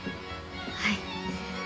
はい。